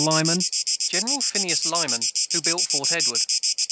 [Footnote 30: General Phineas Lyman, who built Fort Edward.